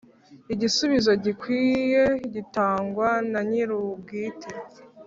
Igisubizo gikwiye gitangwa nanyirubwite.